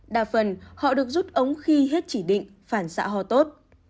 đa phần họ được rút ống khi hết chỉ định phản xạ ho tốt